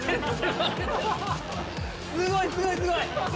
すごいすごいすごい！